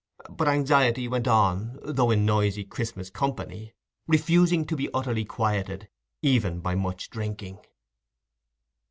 But Anxiety went on, though in noisy Christmas company; refusing to be utterly quieted even by much drinking.